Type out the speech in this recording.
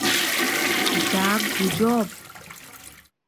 যা গুজব।